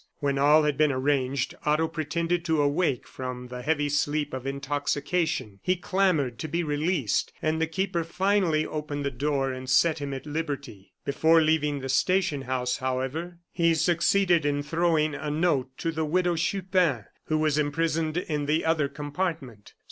When all had been arranged, Otto pretended to awake from the heavy sleep of intoxication; he clamored to be released, and the keeper finally opened the door and set him at liberty. Before leaving the station house, however, he succeeded in throwing a note to the Widow Chupin, who was imprisoned in the other compartment.